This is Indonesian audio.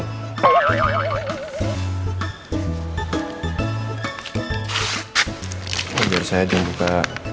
biar saya jem buka